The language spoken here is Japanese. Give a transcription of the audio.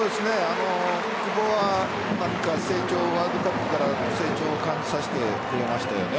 久保はワールドカップから成長を感じさせてくれましたよね。